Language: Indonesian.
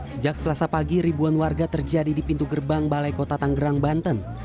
sejak selasa pagi ribuan warga terjadi di pintu gerbang balai kota tanggerang banten